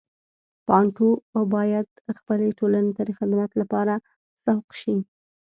بانټو باید خپلې ټولنې ته د خدمت لپاره سوق شي.